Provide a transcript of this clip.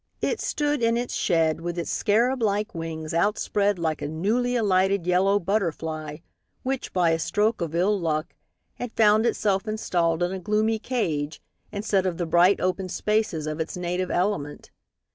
It stood in its shed, with its scarab like wings outspread like a newly alighted yellow butterfly, which, by a stroke of ill luck, had found itself installed in a gloomy cage instead of the bright, open spaces of its native element.